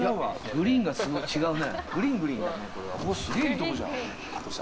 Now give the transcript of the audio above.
グリーンが違うね。